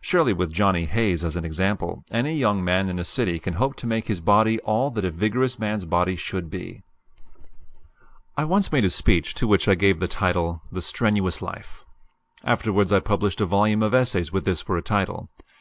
Surely with Johnny Hayes as an example, any young man in a city can hope to make his body all that a vigorous man's body should be. I once made a speech to which I gave the title "The Strenuous Life." Afterwards I published a volume of essays with this for a title.